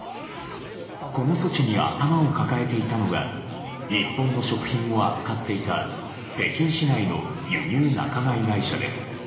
この措置に頭を抱えていたのが日本の食品を扱っていた北京市内の輸入仲買会社です。